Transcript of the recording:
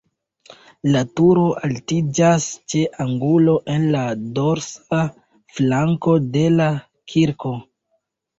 La turo altiĝas ĉe angulo en la dorsa flanko de la kirko.